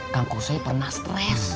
kang kusoy pernah stres